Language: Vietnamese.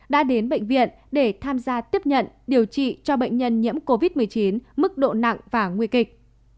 đã đến bệnh viện để tham gia tiếp nhận điều trị cho bệnh nhân nhiễm covid một mươi chín mức độ nặng và nguy kịch